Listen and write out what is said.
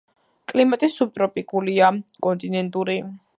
კლიმატი სუბტროპიკულია, კონტინენტური.